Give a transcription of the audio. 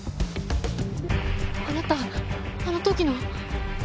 あなたあの時の！